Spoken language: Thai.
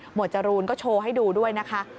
จรูนก็โชว์ให้ดูด้วยนะคะ